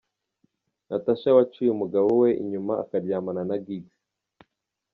Natasha waciye umugabo we inyuma akaryamana na Giggs.